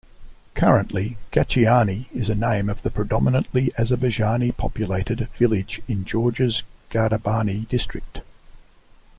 Currently, Gachiani is a name of the predominantly Azerbaijani-populated village in Georgia's Gardabani district.